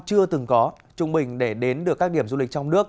chưa từng có trung bình để đến được các điểm du lịch trong nước